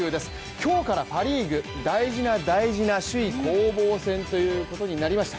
今日からパ・リーグ大事な大事な首位攻防戦ということになりました。